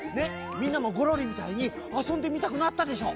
みんなもゴロリみたいにあそんでみたくなったでしょ？